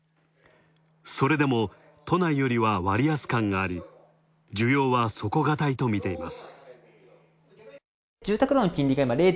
それでも都内よりは割安感があり、需要は底堅いとみています。